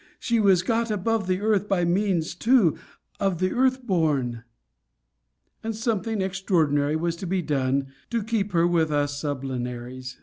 She was got above earth, by means too, of the earth born! And something extraordinary was to be done to keep her with us sublunaries.